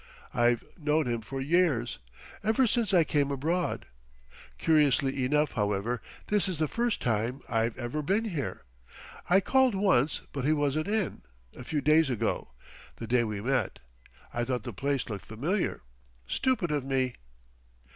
I've known him for years, ever since I came abroad. Curiously enough, however, this is the first time I've ever been here. I called once, but he wasn't in, a few days ago, the day we met. I thought the place looked familiar. Stupid of me!"